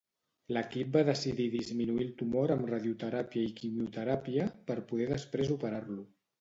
L'equip va decidir disminuir el tumor amb radioteràpia i quimioteràpia per poder després operar-lo.